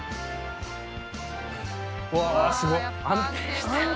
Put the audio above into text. うわすごっ安定してる。